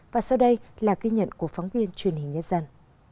và sau đây là ghi nhận của phóng viên truyền hình nhất dân